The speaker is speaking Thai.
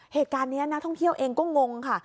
เหตุการณ์นี้นักท่องเที่ยวเองก็งงค่ะ